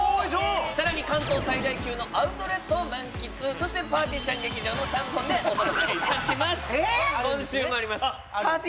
さらに関東最大級のアウトレットを満喫そしてぱーてぃーちゃん劇場の３本でお届けいたしますえーっ！